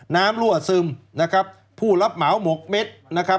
รั่วซึมนะครับผู้รับเหมาหมกเม็ดนะครับ